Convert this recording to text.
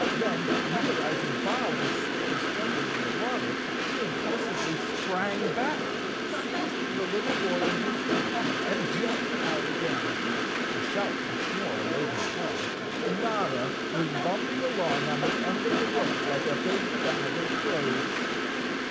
Then, realizing Bob was still struggling in the water, he impulsively sprang back, seized the lit¬ tle boy in his teeth and jumped out again. A shout from Snorer made him pause. Notta was bumping along on the end of the rope like a big bag of clothes.